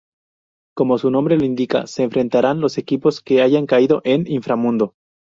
Como su nombre lo indica, se enfrentarán los equipos que hayan caído en "Inframundo".